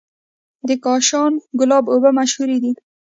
د کاشان ګلاب اوبه مشهورې دي.